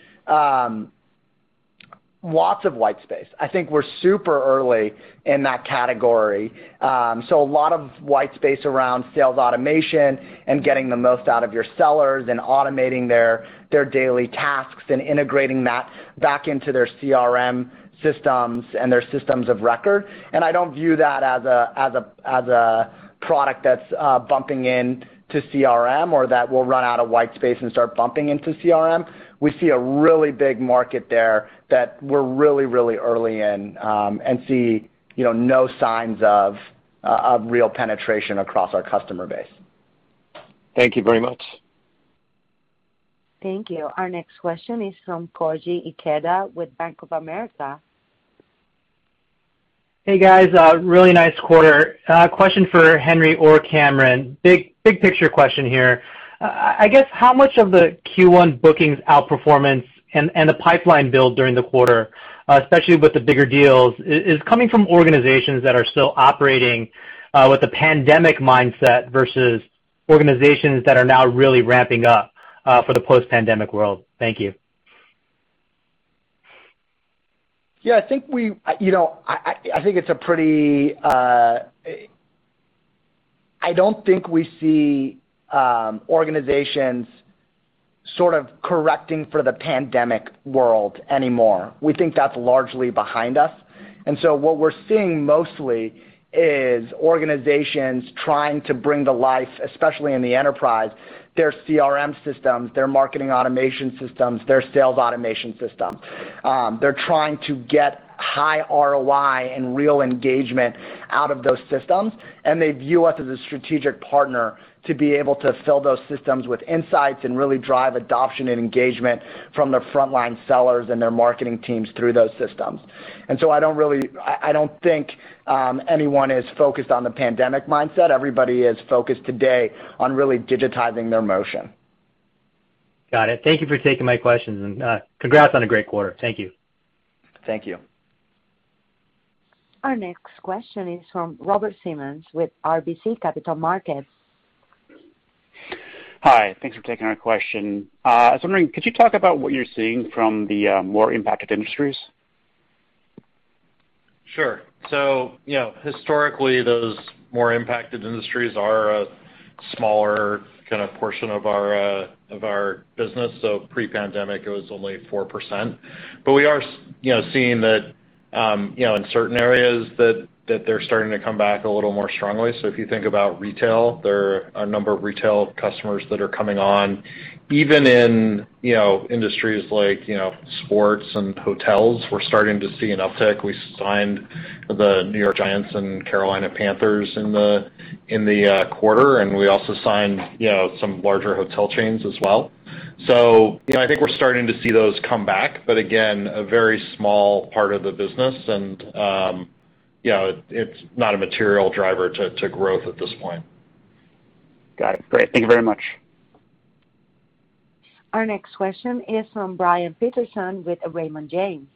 lots of white space. I think we're super early in that category. A lot of white space around sales automation and getting the most out of your sellers and automating their daily tasks and integrating that back into their CRM systems and their systems of record. I don't view that as a product that's bumping into CRM, or that will run out of white space and start bumping into CRM. We see a really big market there that we're really, really early in, and see no signs of real penetration across our customer base. Thank you very much. Thank you. Our next question is from Koji Ikeda with Bank of America. Hey, guys. A really nice quarter. A question for Henry or Cameron. Big picture question here. I guess how much of the Q1 bookings outperformance and the pipeline build during the quarter, especially with the bigger deals, is coming from organizations that are still operating with the pandemic mindset versus organizations that are now really ramping up for the post-pandemic world? Thank you. Yeah, I don't think we see organizations sort of correcting for the pandemic world anymore. We think that's largely behind us. What we're seeing mostly is organizations trying to bring to life, especially in the enterprise, their CRM systems, their marketing automation systems, their sales automation system. They're trying to get high ROI and real engagement out of those systems, and they view us as a strategic partner to be able to fill those systems with insights and really drive adoption and engagement from their frontline sellers and their marketing teams through those systems. I don't think anyone is focused on the pandemic mindset. Everybody is focused today on really digitizing their motion. Got it. Thank you for taking my questions, and congrats on a great quarter. Thank you. Thank you. Our next question is from Robert Simmons with RBC Capital Markets. Hi. Thanks for taking our question. I was wondering, could you talk about what you're seeing from the more impacted industries? Sure. Historically, those more impacted industries are a smaller kind of portion of our business. Pre-pandemic, it was only 4%. But we are seeing that in certain areas that they're starting to come back a little more strongly. If you think about retail, there are a number of retail customers that are coming on, even in industries like sports and hotels, we're starting to see an uptick. We signed the New York Giants and Carolina Panthers in the quarter, and we also signed some larger hotel chains as well. I think we're starting to see those come back, but again, a very small part of the business, and it's not a material driver to growth at this point. Got it. Great. Thank you very much. Our next question is from Brian Peterson with Raymond James.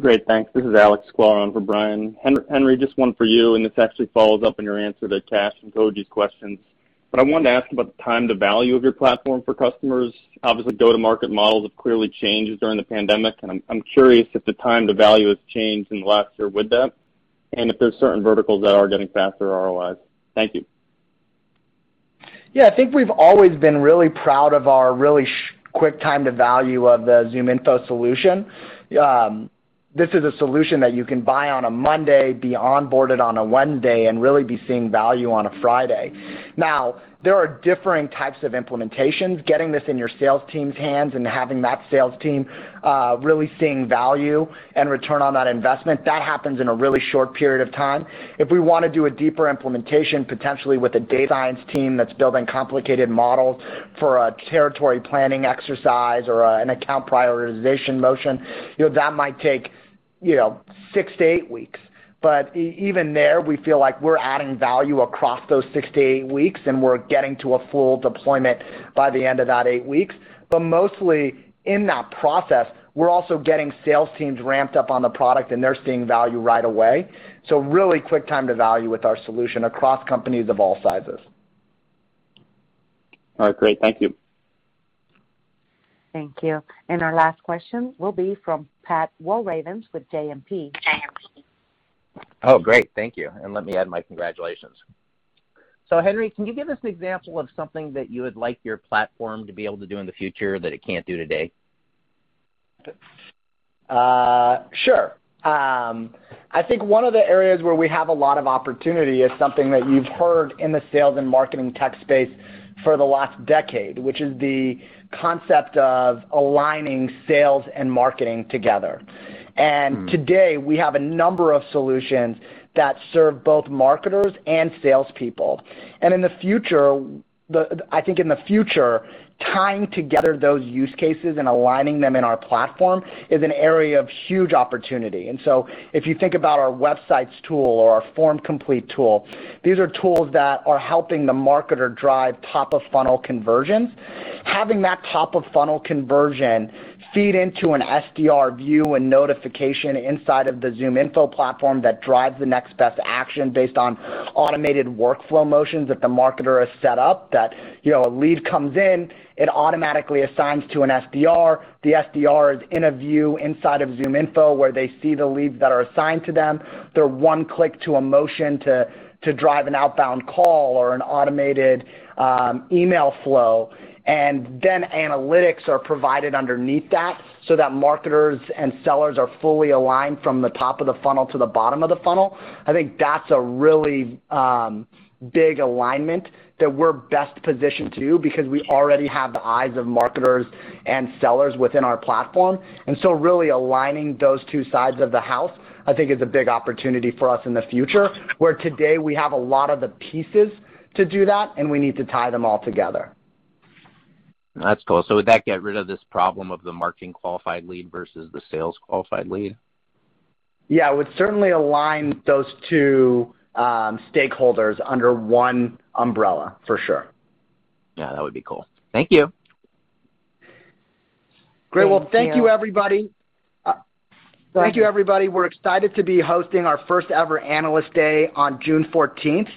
Great. Thanks. This is Alex Sklar for Brian Peterson. Henry, just one for you, and this actually follows up on your answer to Kash and Koji's questions. I wanted to ask about the time to value of your platform for customers. Obviously, go-to-market models have clearly changed during the pandemic, and I'm curious if the time to value has changed in the last year with that, and if there's certain verticals that are getting faster ROIs? Thank you. Yeah, I think we've always been really proud of our really quick time to value of the ZoomInfo solution. This is a solution that you can buy on a Monday, be onboarded on a Wednesday, and really be seeing value on a Friday. Now, there are differing types of implementations. Getting this in your sales team's hands and having that sales team really seeing value and return on that investment, that happens in a really short period of time. If we want to do a deeper implementation, potentially with a data science team that's building complicated models for a territory planning exercise or an account prioritization motion, that might take six to eight weeks. Even there, we feel like we're adding value across those six to eight weeks, and we're getting to a full deployment by the end of that 8 weeks. Mostly in that process, we're also getting sales teams ramped up on the product, and they're seeing value right away. Really quick time to value with our solution across companies of all sizes. All right, great. Thank you. Thank you. Our last question will be from Pat Walravens with JMP. Oh, great. Thank you, and let me add my congratulations. Henry, can you give us an example of something that you would like your platform to be able to do in the future that it can't do today? Sure. I think one of the areas where we have a lot of opportunity is something that you've heard in the sales and marketing tech space for the last decade, which is the concept of aligning sales and marketing together. Today, we have a number of solutions that serve both marketers and salespeople. I think in the future, tying together those use cases and aligning them in our platform is an area of huge opportunity. If you think about our websites tool or our FormComplete tool, these are tools that are helping the marketer drive top-of-funnel conversion. Having that top-of-funnel conversion feed into an SDR view and notification inside of the ZoomInfo platform that drives the next best action based on automated workflow motions that the marketer has set up that, a lead comes in, it automatically assigns to an SDR. The SDR is in a view inside of ZoomInfo, where they see the leads that are assigned to them. They're one click to a motion to drive an outbound call or an automated email flow. Analytics are provided underneath that, so that marketers and sellers are fully aligned from the top of the funnel to the bottom of the funnel. I think that's a really big alignment that we're best positioned to because we already have the eyes of marketers and sellers within our platform. Really aligning those two sides of the house, I think is a big opportunity for us in the future, where today, we have a lot of the pieces to do that, and we need to tie them all together. That's cool. Would that get rid of this problem of the marketing qualified lead versus the sales qualified lead? Yeah, it would certainly align those two stakeholders under one umbrella, for sure. Yeah, that would be cool. Thank you. Great. Well, thank you, everybody. We're excited to be hosting our first-ever Analyst Day on June 14th,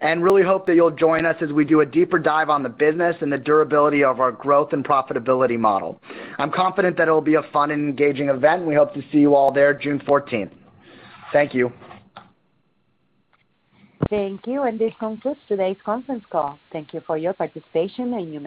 and really hope that you'll join us as we do a deeper dive on the business and the durability of our growth and profitability model. I'm confident that it'll be a fun and engaging event, and we hope to see you all there June 14th. Thank you. Thank you, and this concludes today's conference call. Thank you for your participation.